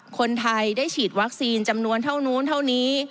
คนไทยได้ฉีดวัคซีนจำนวนเท่านู้นเท่านี้